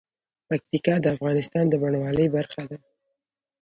پکتیکا د افغانستان د بڼوالۍ برخه ده.